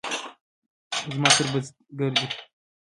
زما تره بزگر دی.